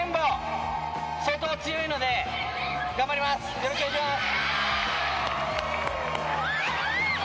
よろしくお願いします。